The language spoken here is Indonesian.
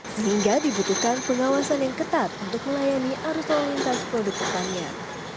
sehingga dibutuhkan pengawasan yang ketat untuk melayani arus lalu lintas produk pertanian